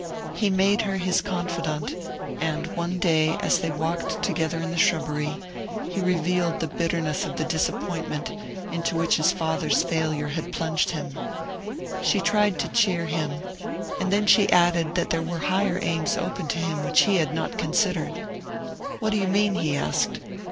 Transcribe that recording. He made her his confidante; and one day, as they walked together in the shrubbery, he revealed the bitterness of the disappointment into which his father's failure had plunged him. She tried to cheer him, and then she added that there were higher aims open to him which he had not considered. 'What do you mean?' he asked.